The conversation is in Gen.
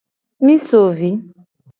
Mi so vi.